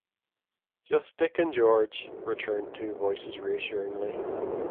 "Just Dick and George," returned two voices reassuringly.